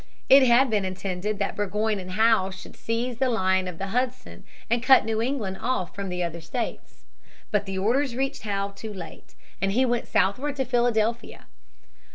It had been intended that Burgoyne and Howe should seize the line of the Hudson and cut New England off from the other states. But the orders reached Howe too late, and he went southward to Philadelphia.